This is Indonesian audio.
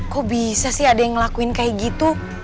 kok bisa sih ada yang ngelakuin kayak gitu